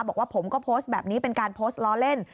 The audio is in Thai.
บอกว่าผมก็โพสต์แบบนี้เป็นการโพสต์ล้อเล่น